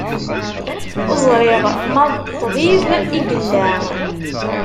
Ur ẓriɣ ma d ṭṭbib i yella.